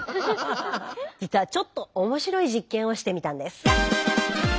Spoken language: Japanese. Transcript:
実はちょっと面白い実験をしてみたんです。